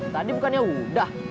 tadi bukannya udah